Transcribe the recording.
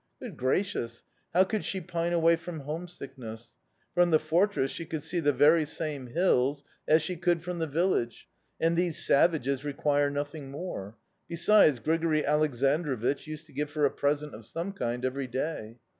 "Good gracious! how could she pine away from home sickness? From the fortress she could see the very same hills as she could from the village and these savages require nothing more. Besides, Grigori Aleksandrovich used to give her a present of some kind every day.